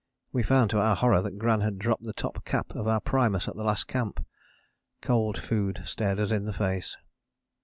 We found to our horror that Gran had dropped the top cap of our primus at the last camp. Cold food stared us in face!